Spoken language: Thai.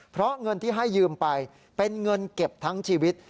เพราะเงินที่ให้ยืมไปเป็นเงินเก็บทั้งชีวิต